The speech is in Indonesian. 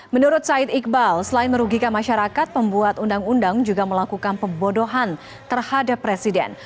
menurut said iqbal selain merugikan masyarakat pembuat undang undang juga melakukan pembodohan terhadap presiden